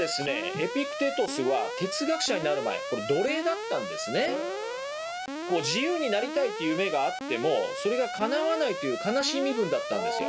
エピクテトスは自由になりたいという夢があってもそれがかなわないという悲しい身分だったんですよ。